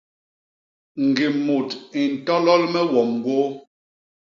Ñgim mut i ntolol me wom gwôô.